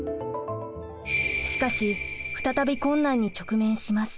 しかし再び困難に直面します。